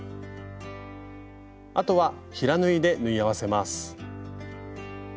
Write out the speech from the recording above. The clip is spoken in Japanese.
あとは平縫いで縫い合わせます。